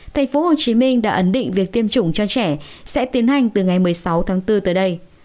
thành phố hồ chí minh đã ẩn định việc tiêm chủng cho trẻ sẽ tiến hành từ ngày một mươi sáu tháng bốn tới đây